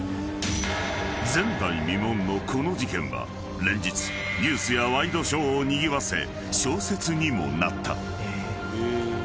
［前代未聞のこの事件は連日ニュースやワイドショーをにぎわせ小説にもなった］